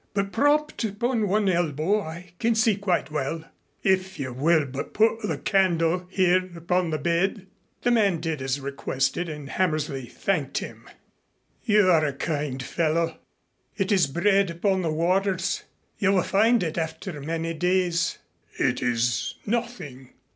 But propped upon one elbow I can see quite well if you will but put the candle here upon the bed." The man did as requested and Hammersley thanked him. "You are a kind fellow. It is bread upon the waters. You will find it after many days." "It is nothing.